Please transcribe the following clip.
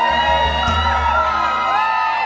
เป็นเรื่องราวของแม่นาคกับพี่ม่าครับ